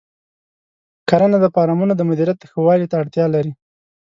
کرنه د فارمونو د مدیریت ښه والي ته اړتیا لري.